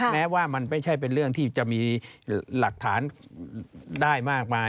แม้ว่ามันไม่ใช่เป็นเรื่องที่จะมีหลักฐานได้มากมาย